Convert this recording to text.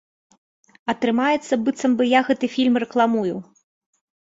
Атрымаецца, быццам бы я гэты фільм рэкламую.